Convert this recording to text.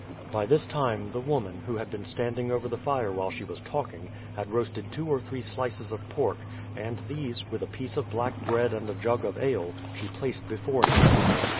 By this time the woman, who had been standing over the fire while she was talking, had roasted two or three slices of pork, and these, with a piece of black bread and a jug of ale, she placed before Ned.